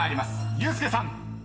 ユースケさん］